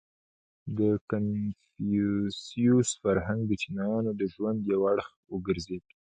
• د کنفوسیوس فرهنګ د چینایانو د ژوند یو اړخ وګرځېد.